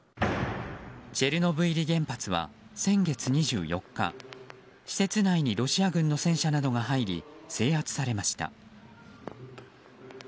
チェルノブイリ原発は先月２４日施設内にロシア軍の戦車などが入り制圧されました。